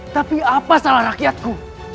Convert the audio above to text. tapi apa salah rakyatku